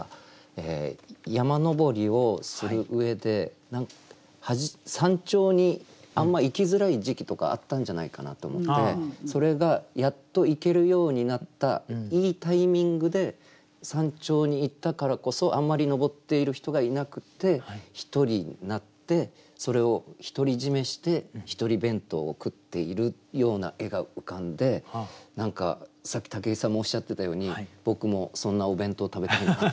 山登りをする上で山頂にあんま行きづらい時期とかあったんじゃないかなと思ってそれがやっと行けるようになったいいタイミングで山頂に行ったからこそあんまり登っている人がいなくって独りになってそれを独り占めして独り弁当を食っているような絵が浮かんで何かさっき武井さんもおっしゃってたように僕もそんなお弁当食べたいなって。